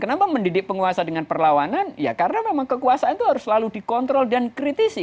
karena kalau mendidik penguasa dengan perlawanan ya karena memang kekuasaan itu harus selalu dikontrol dan kritisi